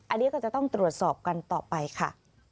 อันนี้ก็จะต้องตรวจสอบกันต่อไปค่ะ